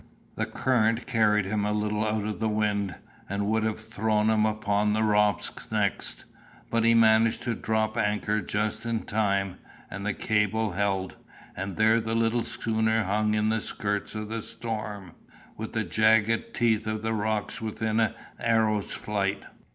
The current carried him a little out of the wind, and would have thrown him upon the rocks next, but he managed to drop anchor just in time, and the cable held; and there the little schooner hung in the skirts of the storm, with the jagged teeth of the rocks within an arrow flight.